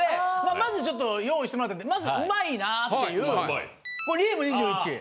まずちょっと用意してもらったんでまず上手いなっていうこれリーブ２１。